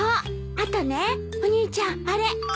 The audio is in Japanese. あとねお兄ちゃんあれ。